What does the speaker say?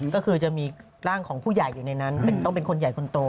ก็คือจะมีร่างของผู้ใหญ่อยู่ในนั้นต้องเป็นคนใหญ่คนโต